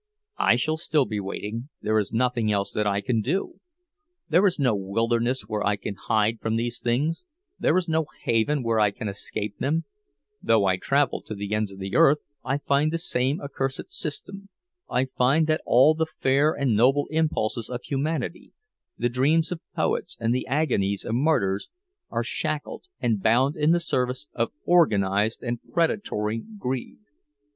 I shall still be waiting—there is nothing else that I can do. There is no wilderness where I can hide from these things, there is no haven where I can escape them; though I travel to the ends of the earth, I find the same accursed system—I find that all the fair and noble impulses of humanity, the dreams of poets and the agonies of martyrs, are shackled and bound in the service of organized and predatory Greed!